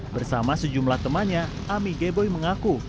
bersama sejumlah temannya ami geboi mengaku